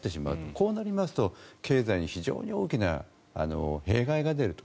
こうなりますと経済に非常に大きな弊害が出ると。